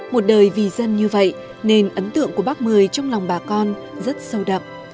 một đời vì dân như vậy nên ấn tượng của bác mười trong lòng bà con rất sâu đậm